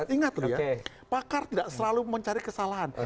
ingat pakar tidak selalu mencari kesalahan